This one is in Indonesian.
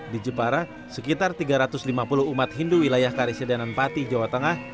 di jepara sekitar tiga ratus lima puluh umat hindu wilayah karisidenan pati jawa tengah